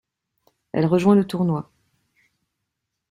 Elle rejoint le tournoi '.